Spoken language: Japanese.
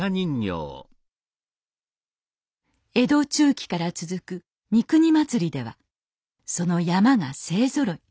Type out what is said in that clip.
江戸中期から続く三国祭ではその山車が勢ぞろい。